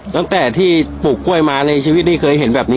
ดังสิที่ปลูกก้วยมาในชีวิตนี้เคยเห็นมั้ย